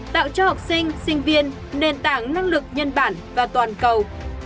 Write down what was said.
tạo cho học sinh sinh viên nền tảng năng lực nhân bản và toàn cầu